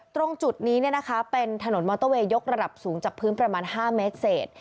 ตรงจุดนี้เป็นถนนมอเตอร์เวย์ยกระดับสูงจากพื้นประมาณ๕เมตรเศษ